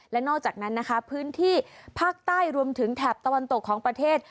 และนอกจากนั้นนะคะพื้นที่ภาคใต้รวมถึงแถบตะวันตกของประเทศ